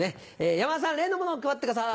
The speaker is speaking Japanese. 山田さん例のものを配ってください。